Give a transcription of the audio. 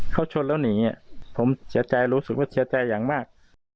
เข้าชนแล้วหนีผมเจอใจรู้สึกเจอใจอย่างมาก